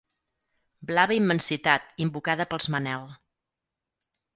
Blava immensitat invocada pels Manel.